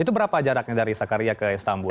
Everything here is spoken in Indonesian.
itu berapa jaraknya dari sakaria ke istanbul